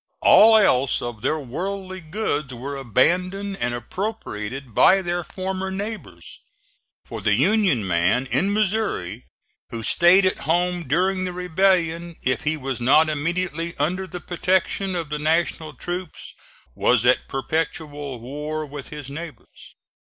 All else of their worldly goods were abandoned and appropriated by their former neighbors; for the Union man in Missouri who staid at home during the rebellion, if he was not immediately under the protection of the National troops, was at perpetual war with his neighbors.